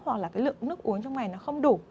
hoặc là cái lượng nước uống trong ngày nó không đủ